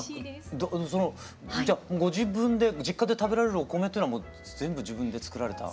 じゃご自分で実家で食べられるお米っていうのはもう全部自分で作られた？